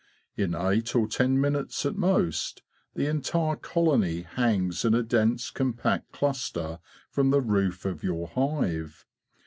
In eight or ten minutes at most, the entire colony hangs in a dense compact cluster from the roof of your hive.